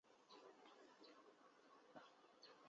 圣热内德卡斯蒂隆。